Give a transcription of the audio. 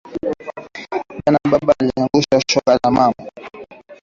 Jana baba ariangusha shoka ya mama